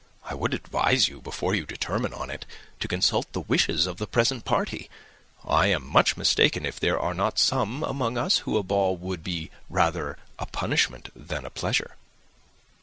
I would advise you, before you determine on it, to consult the wishes of the present party; I am much mistaken if there are not some among us to whom a ball would be rather a punishment than a pleasure."